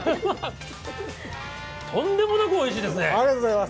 とんでもなくおいしいですね。